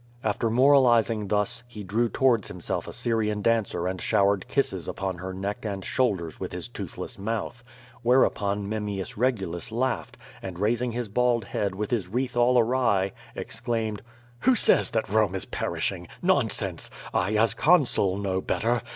After moralizing thus, he drew towards himself a Syrian dancer and showered kisses upon her neck and shoulders with his toothless mouth. Whereupon Memmius Regulus laughed, and raising his bald head with his wreath all awry, exclaimed: "Who says that Rome is perishing? Nonsense. I as Con sul know better.